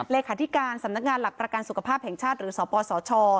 เลขาธิการสำนักงานหลักประกันสุขภาพแห่งชาติหรือสปสช